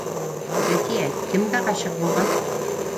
— Зәкиә, кемгә ғашиҡ булған